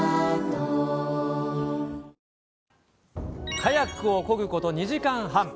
カヤックをこぐこと２時間半。